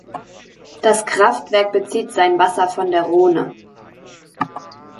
Das Kraftwerk bezieht sein Wasser von der Rhone.